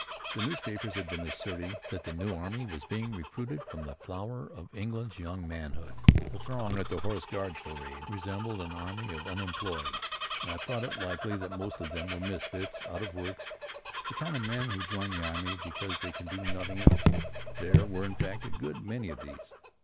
The newspapers had been asserting that the new army was being recruited from the flower of England's young manhood. The throng at the Horse Guards Parade resembled an army of the unemployed, and I thought it likely that most of them were misfits, out of works, the kind of men who join the army because they can do nothing else. There were, in fact, a good many of these.